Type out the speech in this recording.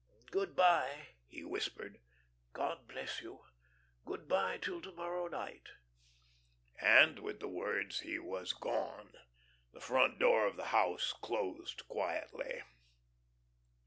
"Good by," he whispered. "God bless you! Good by till to morrow night." And with the words he was gone. The front door of the house closed quietly.